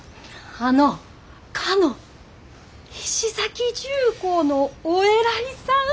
あのかの菱崎重工のお偉いさん！